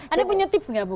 anda punya tips nggak bu